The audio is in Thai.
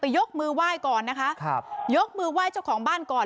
แต่ยกมือไหว้ก่อนนะคะครับยกมือไหว้เจ้าของบ้านก่อน